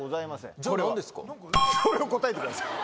ピンポンそれを答えてください。